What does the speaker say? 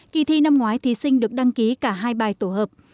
kỳ thi năm ngoái thí sinh được đăng ký cả hai bài tổ hợp